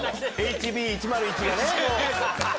ＨＢ−１０１がねこう。